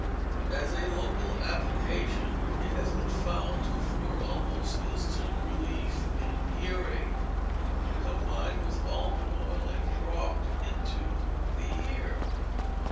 As a local application, it has been found to afford almost instant relief in earache, when combined with almond oil, and dropped into the ear.